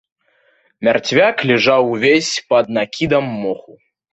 Мярцвяк ляжаў увесь пад накідам моху.